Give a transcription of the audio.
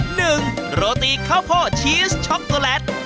หนึ่งโรตีข้าวโพ่ชีสช็อกโกแลต